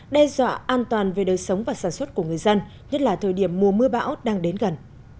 đe dọa an toàn về đời sống và sản xuất của người dân nhất là thời điểm mùa mưa bão đang đến gần